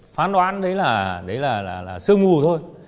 phán đoán đấy là sơ mù thôi